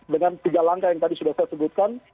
dengan tiga langkah yang tadi sudah saya sebutkan